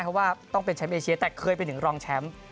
เพราะว่าต้องเป็นแชมป์เอเชียแต่เคยเป็นถึงรองแชมป์